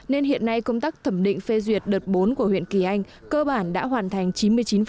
nên hiện nay công tác thẩm định phê duyệt đợt bốn của huyện kỳ anh cơ bản đã hoàn thành chín mươi chín